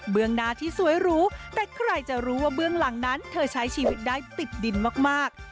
เมืองหน้าที่สวยหรูแต่ใครจะรู้ว่าเบื้องหลังนั้นเธอใช้ชีวิตได้ติดดินมาก